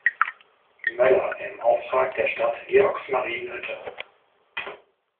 Möller im Auftrag der Stadt Georgsmarienhütte.